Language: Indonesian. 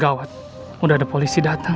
gawat udah ada polisi datang